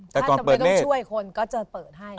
ถ้าจะไม่ต้องช่วยคนก็จะเปิดให้